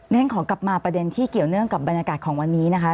ฉันขอกลับมาประเด็นที่เกี่ยวเนื่องกับบรรยากาศของวันนี้นะคะ